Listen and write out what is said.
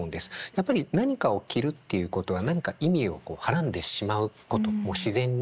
やっぱり何かを着るっていうことは何か意味をこうはらんでしまうことも自然に。